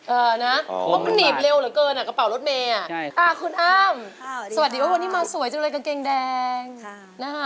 เออนะนีบเร็วเหลือเกินกระเป๋ารถเมย์อ่ะคุณอ้ามสวัสดีครับวันนี้มาสวยจนเลยกางเกงแดงนะคะ